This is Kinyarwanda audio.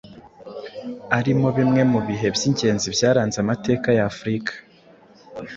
arimo bimwe mu bihe by’ingenzi byaranze amateka ya Afurika.